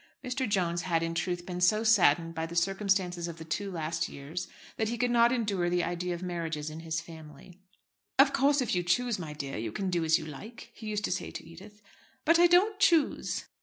Mr. Jones had, in truth, been so saddened by the circumstances of the last two years that he could not endure the idea of marriages in his family. "Of course, if you choose, my dear, you can do as you like," he used to say to Edith. "But I don't choose."